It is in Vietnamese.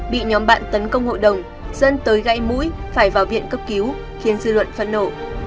bị nhóm bạn tấn công hội đồng dân tới gãy mũi phải vào viện cấp cứu khiến dư luận phẫn nộ